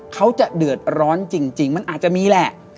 เขาจะเดือดร้อนจริงมันอาจจะมีแหละ